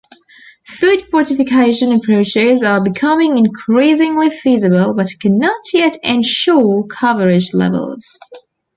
Food fortification approaches are becoming increasingly feasible but cannot yet ensure coverage levels.